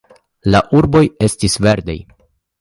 La urboj estis verdaj.